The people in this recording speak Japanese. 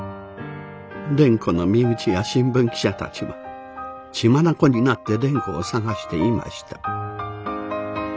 蓮子の身内や新聞記者たちは血眼になって蓮子を捜していました。